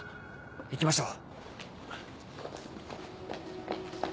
行きましょう。